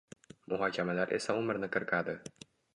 muhokamalar esa umrni qirqadi.